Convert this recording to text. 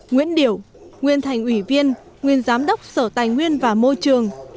nguyễn điểu nguyên thành ủy viên nguyên giám đốc sở tài nguyên và môi trường